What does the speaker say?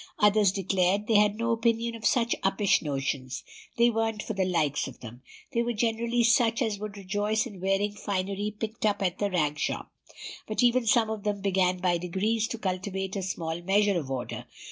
Others declared they had no opinion of such uppish notions; they weren't for the likes of them. These were generally such as would rejoice in wearing finery picked up at the rag shop; but even some of them began by degrees to cultivate a small measure of order.